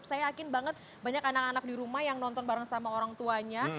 saya yakin banget banyak anak anak di rumah yang nonton bareng sama orang tuanya